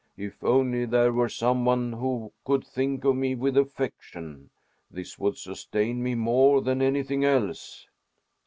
If only there were some one who could think of me with affection! this would sustain me more than anything else."